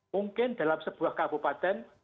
mungkin dalam sebuah kabupaten